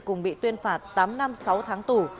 cùng bị tuyên phạt tám năm sáu tháng tù